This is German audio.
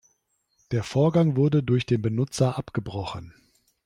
Der Vorgang wurde durch den Benutzer abgebrochen.